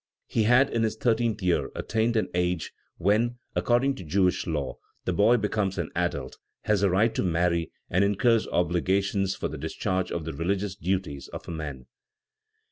He had in his thirteenth year attained an age when, according to Jewish law, the boy becomes an adult, has the right to marry, and incurs obligations for the discharge of the religious duties of a man.